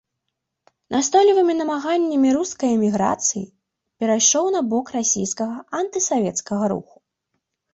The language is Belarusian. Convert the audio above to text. Настойлівымі намаганнямі рускай эміграцыі перайшоў на бок расійскага антысавецкага руху.